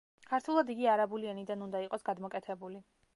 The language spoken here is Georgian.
ქართულად იგი არაბული ენიდან უნდა იყოს გადმოკეთებული.